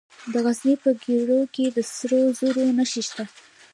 د غزني په ګیرو کې د سرو زرو نښې شته.